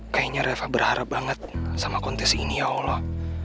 kayaknya reva berharap banget sama kontes ini ya allah